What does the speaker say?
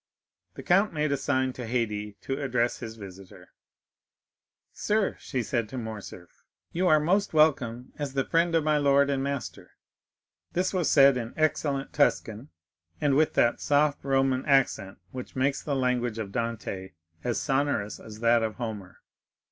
The count made a sign to Haydée to address his visitor. "Sir," she said to Morcerf, "you are most welcome as the friend of my lord and master." This was said in excellent Tuscan, and with that soft Roman accent which makes the language of Dante as sonorous as that of Homer.